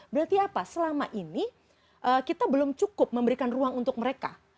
berarti apa selama ini kita belum cukup memberikan ruang untuk mereka